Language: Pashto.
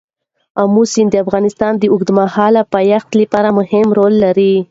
آمو سیند د افغانستان د اوږدمهاله پایښت لپاره مهم رول لري.